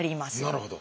なるほど。